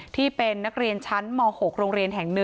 ที่เป็นนักเรียนชั้นม๖โรงเรียนแห่ง๑